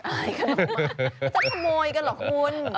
จะขโมยกันเหรอคุณ